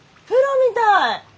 プロみたい！